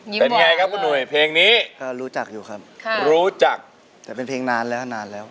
ยิ้มหวานเลยนะครับเพลงนี้รู้จักอยู่ครับรู้จักแต่เป็นเพลงนานแล้วแล้ว